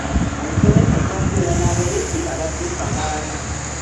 Omusomesa ajja kubeera n'abayizi abasukka mu ana.